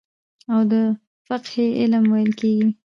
او د فقهي علم ويل کېږي.